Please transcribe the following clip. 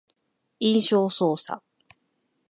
印象操作